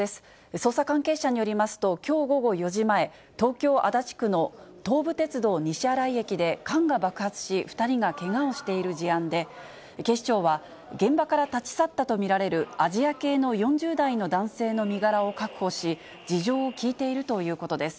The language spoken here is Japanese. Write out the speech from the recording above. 捜査関係者によりますと、きょう午後４時前、東京・足立区の東武鉄道西新井駅で缶が爆発し、２人がけがをしている事案で、警視庁は、現場から立ち去ったと見られるアジア系の４０代の男性の身柄を確保し、事情を聴いているということです。